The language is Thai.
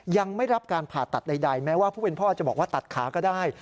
ยังไม่รับการผ่าตัดใดแม้ว่าผู้เป็นพ่อจะบอกว่าตัดขาก็ได้